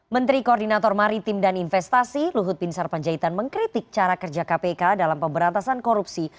menteri koordinator maritim dan investasi luhut bin sarpanjaitan mengkritik cara kerja kpk dalam pemberantasan korupsi